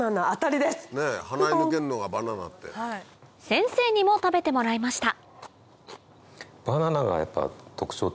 先生にも食べてもらいました